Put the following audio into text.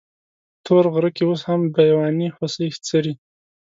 په تور غره کې اوس هم بېواني هوسۍ څري.